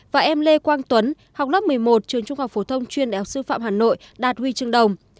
và em lê quang tuấn học lớp một mươi một trường trung học phổ thông chuyên đhq phạm hà nội đạt huy chương đồng